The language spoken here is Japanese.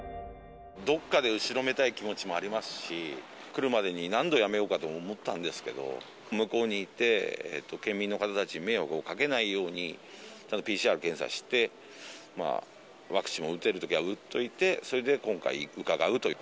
どこかで後ろめたい気持ちもありますし、来るまでに何度やめようかと思ったんですけど、向こうに行って、県民の方たちに迷惑をかけないように、ＰＣＲ検査して、ワクチンを打てるときは打っといて、それで今回、うかがうという。